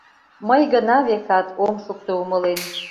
Мый гына, векат, ом шукто умылен: